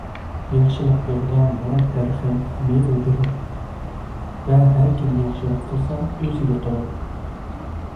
ياخشىلىق بېغىدا مۇراد دەرىخى مېۋە بېرۇر ۋە ھەر كىم ياخشىلىق قىلسا ئۆزىگە قىلۇر.